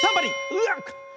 うわっ！